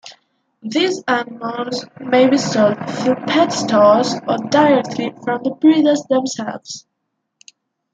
These animals may be sold through pet stores or directly from the breeders themselves.